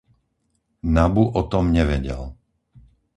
Nabu o tom nevedel.